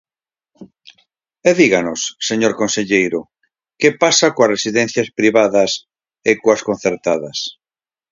E díganos, señor conselleiro, que pasa coas residencias privadas e coas concertadas.